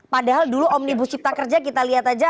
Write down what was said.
padahal dulu omnibus cipta kerja kita lihat aja